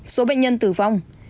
ba số bệnh nhân khỏi bệnh